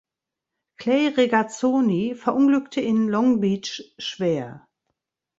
Clay Regazzoni verunglückte in Long Beach schwer.